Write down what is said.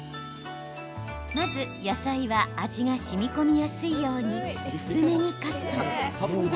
まず野菜は味がしみこみやすいように薄めにカット。